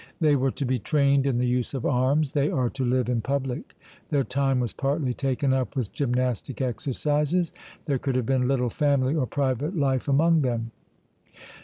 They were to be trained in the use of arms, they are to live in public. Their time was partly taken up with gymnastic exercises; there could have been little family or private life among them.